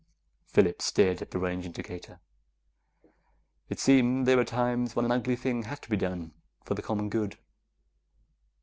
Phillips stared at the range indicator. It seemed there were times when an ugly thing had to be done for the common good.